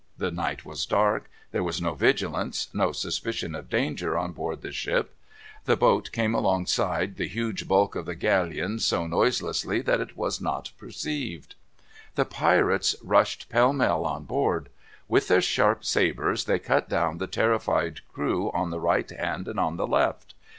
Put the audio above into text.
The night was dark. There was no vigilance, no suspicion of danger on board the ship. The boat came alongside the huge bulk of the galleon so noiselessly that it was not perceived. The pirates rushed pell mell on board. With their sharp sabres they cut down the terrified crew on the right hand and on the left.